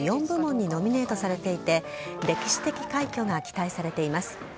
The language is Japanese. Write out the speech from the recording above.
４部門にノミネートされていて歴史的快挙が期待されています。